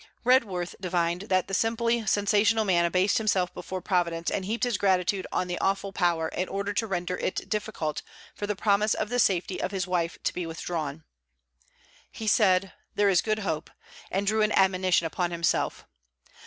Redworth divined that the simply sensational man abased himself before Providence and heaped his gratitude on the awful Power in order to render it difficult for the promise of the safety of his wife to be withdrawn. He said: 'There is good hope'; and drew an admonition upon himself.